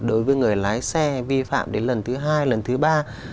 đối với người lái xe vi phạm đến lần thứ hai lần thứ ba